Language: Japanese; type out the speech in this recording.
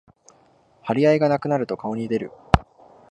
張り合いがなくなると顔に出る